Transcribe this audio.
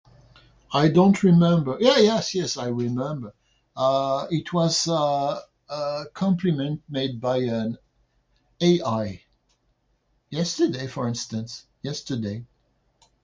I don't remember, yeah, yes, yes, I remember. Uh, it was, uh a compliment made by an AI, yesterday, for instance, yesterday.